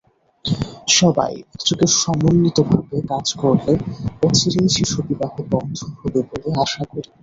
সবাই একযোগে সমন্বিতভাবে কাজ করলে অচিরেই শিশুবিবাহ বন্ধ হবে বলে আশা করি।